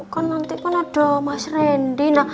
kan nanti kan ada mas rendy